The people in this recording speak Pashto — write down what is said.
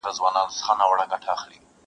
ته به مي شړې خو له ازل سره به څه کوو؟-